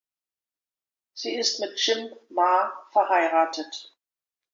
Sie ist mit Jim Ma verheiratet.